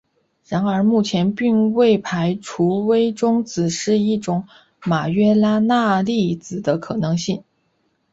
然而目前并未排除微中子是一种马约拉纳粒子的可能性。